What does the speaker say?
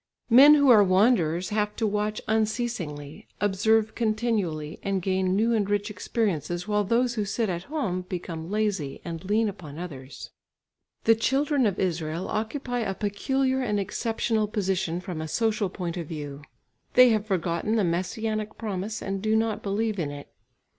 Men who are wanderers have to watch unceasingly, observe continually, and gain new and rich experiences, while those who sit at home become lazy and lean upon others. The children of Israel occupy a peculiar and exceptional position from a social point of view. They have forgotten the Messianic promise and do not believe in it.